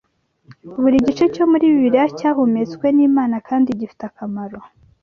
Buri gice cyo muri Bibiliya cyahumetswe n’Imana kandi gifite akamaro